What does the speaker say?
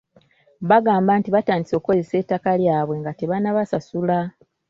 Bagamba nti batandise okukozesa ettaka lyabwe nga tebannabasasula.